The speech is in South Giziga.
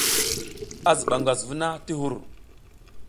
A ziɓa ngwas vuna ti hur.